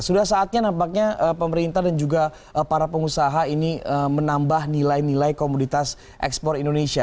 sudah saatnya nampaknya pemerintah dan juga para pengusaha ini menambah nilai nilai komoditas ekspor indonesia